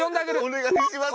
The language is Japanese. お願いします。